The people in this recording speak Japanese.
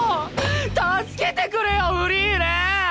助けてくれよフリーレン！